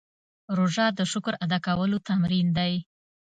روژه د شکر ادا کولو تمرین دی.